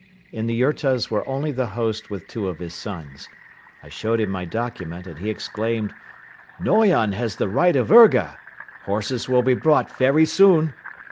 In the yurtas were only the host with two of his sons. I showed him my document and he exclaimed: "Noyon has the right of 'urga.' Horses will be brought very soon."